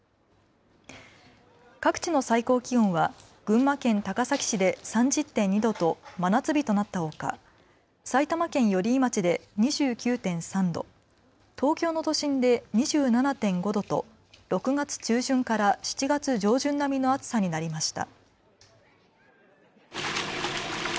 各地の最高気温は群馬県高崎市で３０．２度と真夏日となったほか埼玉県寄居町で２９．３度、東京の都心で２７．５度と６月中旬から７月上旬並みの暑さになりました。